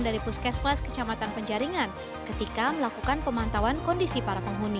dari puskesmas kecamatan penjaringan ketika melakukan pemantauan kondisi para penghuni